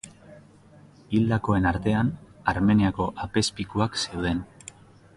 Hildakoen artean Armeniako apezpikuak zeuden.